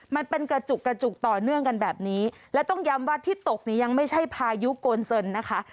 มันเป็นกระจุกกระจุกต่อเนื่องกันแบบนี้และต้องย้ำว่าที่ตกนี้ยังไม่ใช่พายุโกนเซินนะคะ